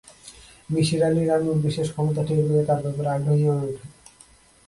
মিসির আলি রানুর বিশেষ ক্ষমতা টের পেয়ে তার ব্যাপারে আগ্রহী হয়ে ওঠে।